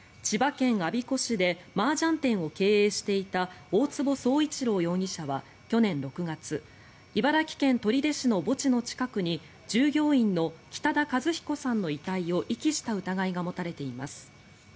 千葉県我孫子市でマージャン店を経営していた大坪宗一郎容疑者は去年６月茨城県取手市の墓地の近くに従業員の北田和彦さんの遺体を遺棄した疑いが持たれています。